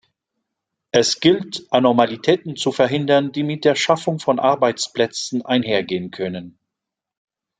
Es gilt, Anormalitäten zu verhindern, die mit der Schaffung von Arbeitsplätzen einhergehen können.